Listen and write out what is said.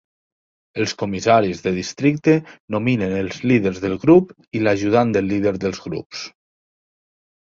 Els comissaris de districte nominen els líders del grup i l'ajudant del líder del grups.